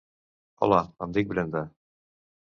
Hola, em dic Brenda.